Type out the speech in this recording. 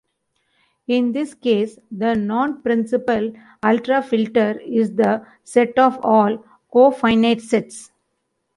In this case, the non-principal ultrafilter is the set of all cofinite sets.